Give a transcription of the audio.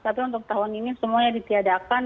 tapi untuk tahun ini semuanya ditiadakan